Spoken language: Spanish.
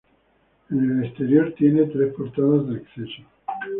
En el exterior tiene tres portadas de acceso.